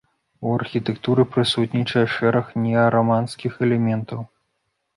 У архітэктуры прысутнічае шэраг неараманскіх элементаў.